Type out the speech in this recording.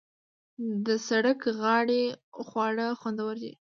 د سړک غاړې خواړه خوندور دي.